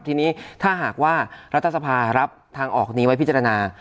ทีนี้ถ้าหากว่ารัฐสภารับทางออกนี้ไว้พิจารณา